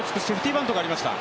バントがありました。